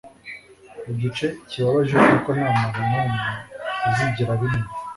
Igice kibabaje nuko ntamuntu numwe uzigera abimenya